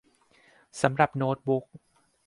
สำหรับโน๊ตบุ๊ค